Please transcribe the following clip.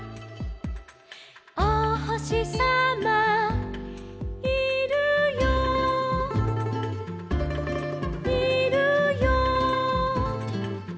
「おほしさまいるよいるよ」